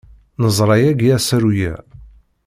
Neẓra yagi asaru-a.